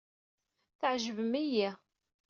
Tɛejbem-iyi.